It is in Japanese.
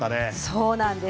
そうなんです。